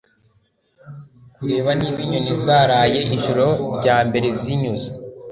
Kureba niba inyoni zaraye ijoro ryambere zinyuze